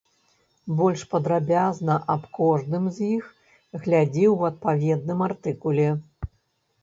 Больш падрабязна аб кожным з іх глядзі ў адпаведным артыкуле.